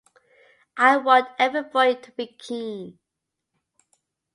I want every boy to be keen.